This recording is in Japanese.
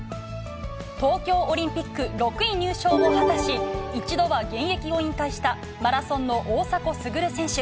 東京オリンピック６位入賞を果たし、一度は現役を引退したマラソンの大迫傑選手。